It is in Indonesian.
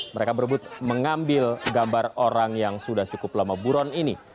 mereka berebut mengambil gambar orang yang sudah cukup lama buron ini